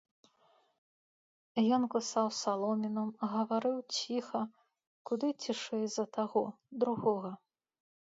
Ён кусаў саломіну, гаварыў ціха, куды цішэй за таго, другога.